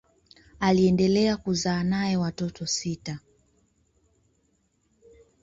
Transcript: Aliendelea kuzaa naye watoto sita.